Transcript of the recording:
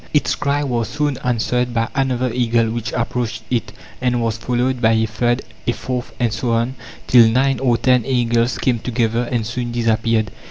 Its cry was soon answered by another eagle which approached it, and was followed by a third, a fourth, and so on, till nine or ten eagles came together and soon disappeared.